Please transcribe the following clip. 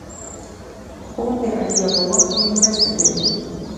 پور د اړتیا په وخت کې مرسته کوي.